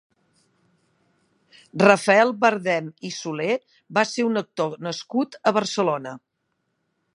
Rafael Bardem i Solé va ser un actor nascut a Barcelona.